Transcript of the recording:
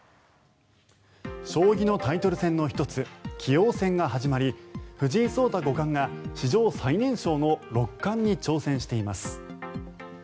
将棋のタイトル戦の１つ棋王戦が始まり藤井聡太五冠が史上最年少の六冠に挑戦しています。